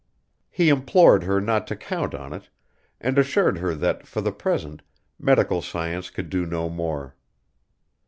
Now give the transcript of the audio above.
He implored her not to count on it, and assured her that, for the present, medical science could do no more.